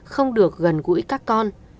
không được gần gũi các con